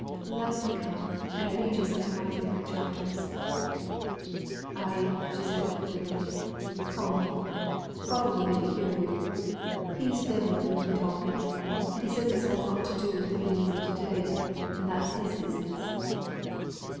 "Let me come and read you some of my favourite chapters." "Ay," said she greedily, "come. Father will maybe hear yo.' He's deaved wi' my talking; he says it's all nought to do with the things o' to day, and that's his business."